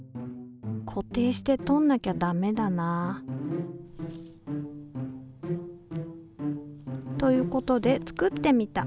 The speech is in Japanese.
固定してとんなきゃダメだな。ということで作ってみた。